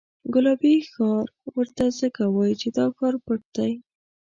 ګلابي ښار ورته ځکه وایي چې دا ښار پټ دی.